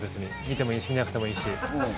見てもいいし見なくてもいいし。